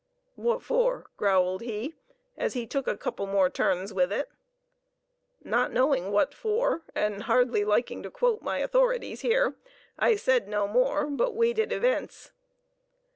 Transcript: "Wot for?" growled he, as he took a couple more turns with it. Not knowing "what for," and hardly liking to quote my authorities here, I said no more, but waited events.